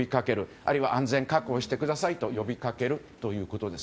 あるいは安全確保してくださいと呼びかけるということです。